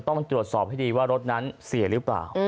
ต้องตรวจสอบให้ดีว่ารถนั้นเสียหรือเปล่า